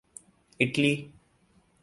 Italy